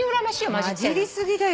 交じりすぎだよ。